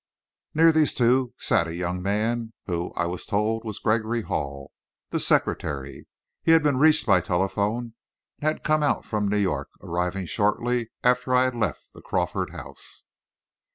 Near these two sat a young man who, I was told, was Gregory Hall, the secretary. He had been reached by telephone, and had come out from New York, arriving shortly after I had left the Crawford house.